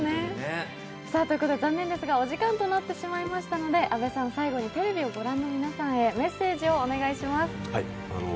残念ですがお時間となってしまいましたので阿部さん、最後にテレビを御覧の皆さんへメッセージをお願いします。